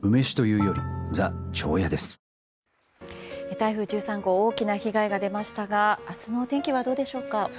台風１３号大きな被害が出ましたが明日の天気はどうでしょうか。